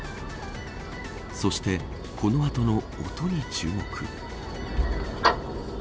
そして、この後の音に注目。